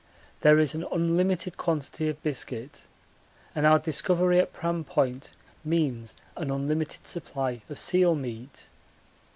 There is an unlimited quantity of biscuit, and our discovery at Pram Point means an unlimited supply of seal meat.